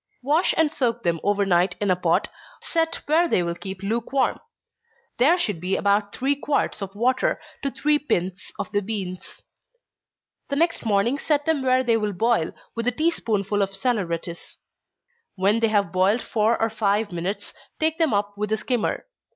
Wash and soak them over night in a pot, set where they will keep lukewarm. There should be about three quarts of water to three pints of the beans. The next morning set them where they will boil, with a tea spoonful of saleratus. When they have boiled four or five minutes, take them up with a skimmer.